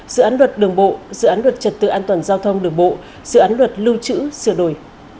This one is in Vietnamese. dự án luật đường bộ dự án luật trật tự an toàn giao thông đường bộ dự án luật lưu trữ sửa đổi